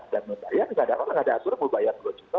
kadang kadang ada aturan mau bayar dua puluh juta